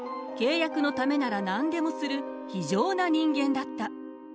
契約のためなら何でもする非情な人間だった。